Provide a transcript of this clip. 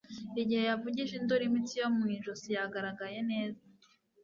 igihe yavugije induru, imitsi yo mu ijosi yagaragaye neza